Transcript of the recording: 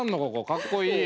かっこいい！